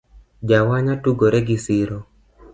Jawanya tugore gisiro